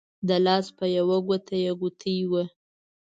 د لاس په يوه ګوته يې ګوتې وه